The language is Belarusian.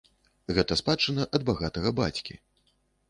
Гэта спадчына ад багатага бацькі.